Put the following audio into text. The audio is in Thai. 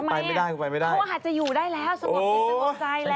เพราะว่าอาจจะอยู่ได้แล้วสมบัติสงสัยแล้ว